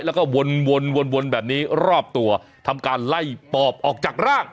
วันแบบนี้รอบตัวทำการไล่ปอบออกจากร่าง